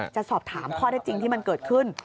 จะสอบถามข้อได้จริงที่มันเกิดขึ้น